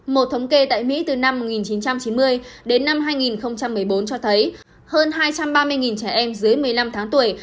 một thống kê tại mỹ từ năm một nghìn chín trăm chín mươi đến năm hai nghìn một mươi bốn cho thấy hơn hai trăm ba mươi trẻ em dưới một mươi năm tháng tuổi